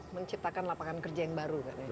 menciptakan lapangan kerja yang baru